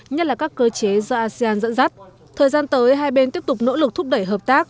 nhất là các cơ chế do asean dẫn dắt thời gian tới hai bên tiếp tục nỗ lực thúc đẩy hợp tác